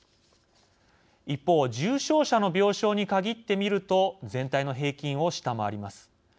一方重症者の病床に限って見ると全体の平均を下回ります。